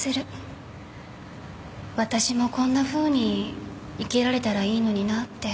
私もこんなふうに生きられたらいいのになって思うんです。